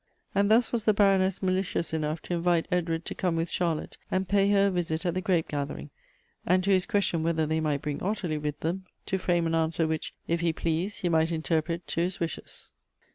And thus was the Bnroness malicious enough to invite Edward to come with Cliarlotte and pay her a visit at the grape gathering; and, to his question whether they might bring Ottilia with them, to frame an answer which, if he pleased, he might interjjret to his wishes. Elbctivb Affinities.